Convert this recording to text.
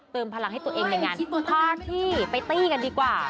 พลังให้ตัวเองในงานพาพี่ไปตี้กันดีกว่า